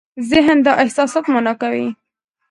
ذهن دا احساسات مانا کوي.